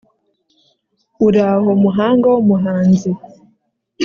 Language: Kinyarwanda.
Uraho muhanga w'umuhanzi